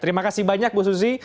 terima kasih banyak bu susi